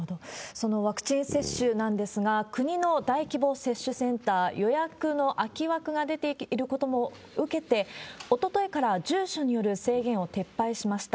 そのワクチン接種なんですが、国の大規模接種センター、予約の空き枠が出ていることも受けて、おとといから住所による制限を撤廃しました。